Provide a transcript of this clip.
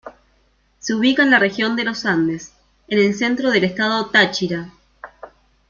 Se ubica en la región de Los Andes, en el centro del estado Táchira.